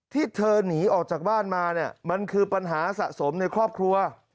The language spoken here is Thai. ที่เธอหนีออกจากบ้านมาเนี่ยมันคือปัญหาสะสมในครอบครัว